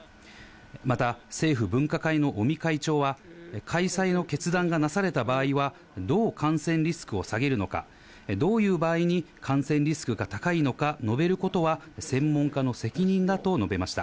また政府分科会の尾身会長は、開催の決断がなされた場合は、どう感染リスクを下げるのか、どういう場合に感染リスクが高いのか述べることは専門家の責任だと述べました。